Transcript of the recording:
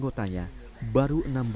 cuma sampai saidap ke tim modern itu